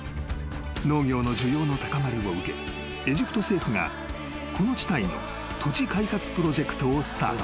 農業の需要の高まりを受けエジプト政府がこの地帯の土地開発プロジェクトをスタート］